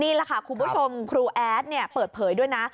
นี่แหละค่ะคุณผู้ชมครูแอดเปิดเผยด้วยนะ